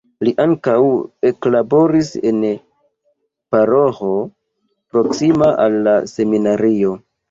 Li ankaŭ eklaboris en paroĥo proksima al la seminario.